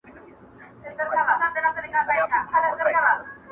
o پېري ته غزنى څه شي دئ٫